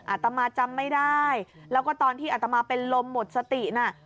อาตมาจำไม่ได้แล้วก็ตอนที่อัตมาเป็นลมหมดสติน่ะ